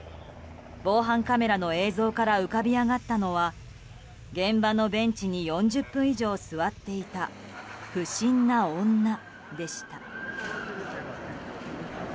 防犯カメラの映像から浮かび上がったのは現場のベンチに４０分以上座っていた不審な女でした。